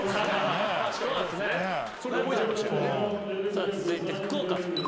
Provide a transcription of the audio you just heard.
さあ続いて福岡さん。